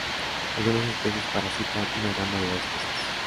Algunas especies parasitan una gran variedad de especies.